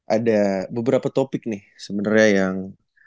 ada beberapa topik nih sebenarnya yang